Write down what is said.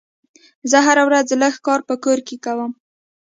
زه هره ورځ لږ کار په کور کې کوم.